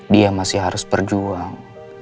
dia masih harus berjuang